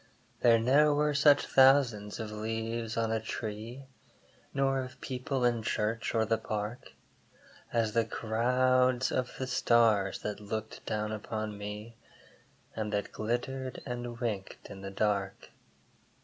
There ne'er were such thousands of leaves on a tree, Nor of people in church or the Park, As the crowds of the stars that looked down upon me, And that glittered and winked in the dark.